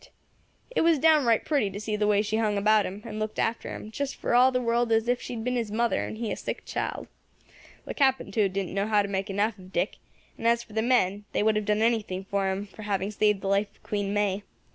It was downright pretty to see the way she hung about him, and looked after him, just for all the world as if she had been his mother, and he a sick child. The Captain, too, didn't know how to make enough of Dick; and as for the men, they would have done anything for him for having saved the life of Queen May.